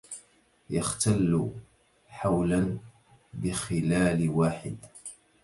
يختل حولا بخلال واحد